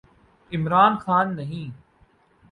عمران خان نہیں۔